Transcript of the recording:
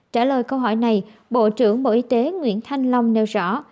trả lời câu hỏi này bộ trưởng bộ y tế nguyễn thanh long nêu rõ